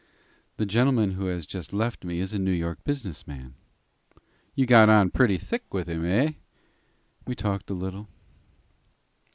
"The gentleman who has just left me is a New York business man." "You got pretty thick with him, eh?" "We talked a little."